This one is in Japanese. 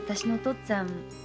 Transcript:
っつぁん